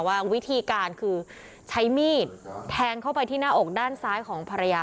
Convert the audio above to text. ว่าวิธีการคือใช้มีดแทงเข้าไปที่หน้าอกด้านซ้ายของภรรยา